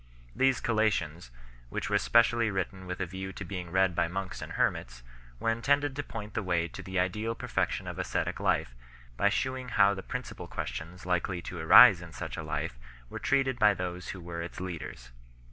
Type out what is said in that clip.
These Collations, which were specially written with a view to being read by monks and hermits, were intended to point the way to the ideal perfection of ascetic life by shewing how the principal questions likely to arise in such a life were treated by those who were its leaders.